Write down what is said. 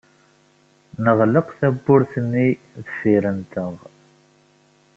Neɣleq tawwurt-nni deffir-nteɣ.